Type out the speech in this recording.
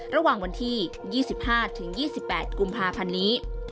ระหว่างวันที่๒๕๒๘กุมภาพันธ์นี้